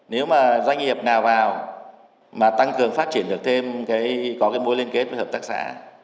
nếu mà doanh nghiệp nào vào mà tăng cường phát triển được thêm có cái mối liên kết với hợp tác xã